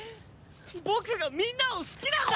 僕がみんなを好きなんだ！